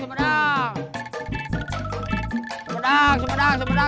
silakan pak sepatunya